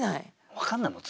分かんないもん